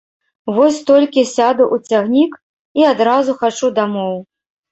Вось толькі сяду ў цягнік і адразу хачу дамоў!